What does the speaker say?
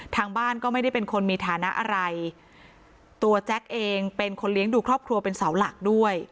ทางบ้านก็ไม่ได้เป็นคนมีฐานะอะไรตัวแจ๊กเองเป็นคนเลี้ยงดูครอบครัวเป็นเสาหลักด้วย